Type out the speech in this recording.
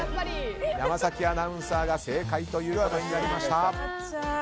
山崎アナウンサーが正解となりました。